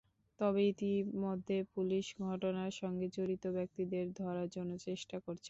তবে ইতিমধ্যে পুলিশ ঘটনার সঙ্গে জড়িত ব্যক্তিদের ধরার জন্য চেষ্টা করছে।